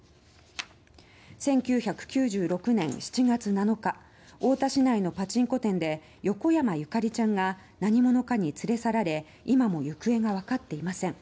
１９９６年７月７日大田市内のパチンコ店で横山ゆかりちゃんが何者かに連れ去られ今も行方がわかっていません。